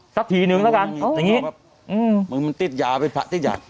สักทีนึงแล้วกันอย่างนี้มึงมันติดยาไปผัดติดยา